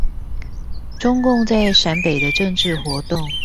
中共在陝北的政治活動